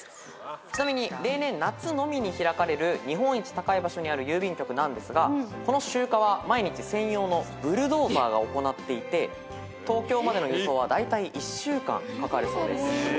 ちなみに例年夏のみに開かれる日本一高い場所にある郵便局なんですがこの集荷は毎日専用のブルドーザーが行っていて東京までの輸送はだいたい１週間かかるそうです。